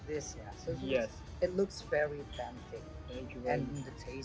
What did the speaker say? dan rasanya sangat sempurna saya suka